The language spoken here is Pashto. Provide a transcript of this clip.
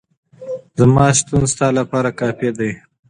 زما شتون ستا لپاره کافي دی.